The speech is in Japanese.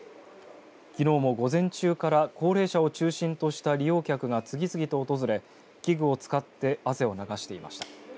きのうも午前中から高齢者を中心とした利用客が次々と訪れ器具を使って汗を流していました。